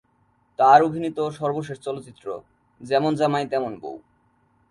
তার অভিনীত সর্বশেষ চলচ্চিত্র "যেমন জামাই তেমন বউ"।